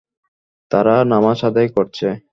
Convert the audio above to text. তারা নামায আদায় করছে।